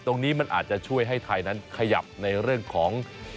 ตรงนี้มันอาจจะช่วยให้ไทยนั้นขยับในเรื่องของ